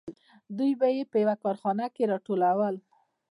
دوی به یې په یوه کارخانه کې راټولول